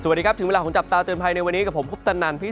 สวัสดีครับถึงเวลาของจับตาเตือนภัยในวันนี้กับผมคุปตนันพี่